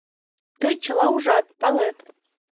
Тый чыла ужат, палет.